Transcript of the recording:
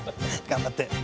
頑張って。